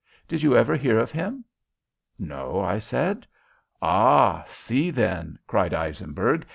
Did you ever hear of him?" "No," said I. "Ah! See then!" cried Eisenberg.